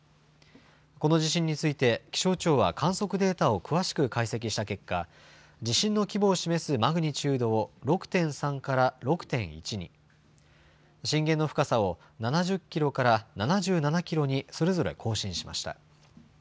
この地震について気象庁は観測データを詳しく解析した結果、地震の規模を示すマグニチュードを６．３から６．１に、震源の深さを７０キロから７７キロにそれぞれ更新しました。